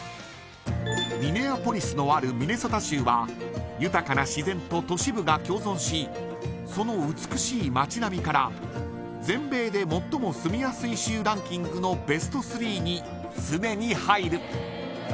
ミネアポリスのあるミネソタ州は豊かな自然と都市部が共存しその美しい街並みから全米で最も住みやすい州ランキングのベスト３に常に入る。